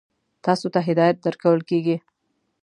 تاسو ته هدایت درکول کېږي.